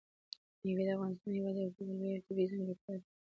مېوې د افغانستان هېواد یوه بله لویه طبیعي ځانګړتیا ده.